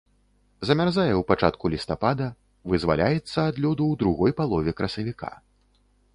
Замярзае ў пачатку лістапада, вызваляецца ад лёду ў другой палове красавіка.